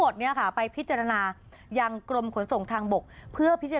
โดนไปหลายกระทงเลย